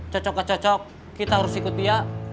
cocok gak cocok kita harus ikut dia